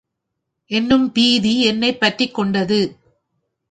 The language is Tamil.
என்னும் பீதி என்னைப் பற்றிக்கொண்டது.